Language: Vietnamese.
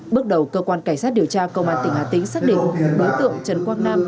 bước đầu cơ quan cảnh sát điều tra công an tỉnh hà tĩnh xác định đối tượng trần quang nam